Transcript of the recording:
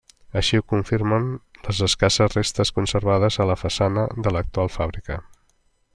Així ho confirmen les escasses restes conservades a la façana de l'actual fàbrica.